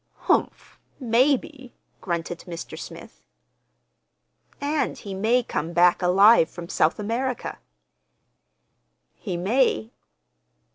"Humph! Maybe," grunted Mr. Smith. "And he may come back alive from South America" "He may."